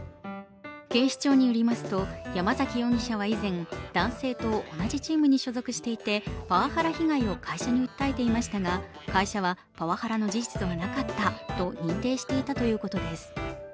警視庁によりますと山崎容疑者は以前男性と同じチームに所属していい手パワハラ被害を会社に訴えていましたが、会社はパワハラの事実はなかったと認定していたということです。